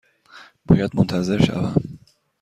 باید منتظر شوم؟